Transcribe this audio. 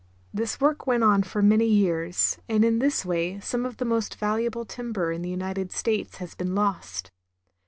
This work went on for many years, and in this way some of the most valuable timber in the United States has been lost.